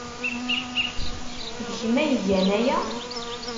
D kemm ay igan aya!